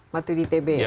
waktu di itb ya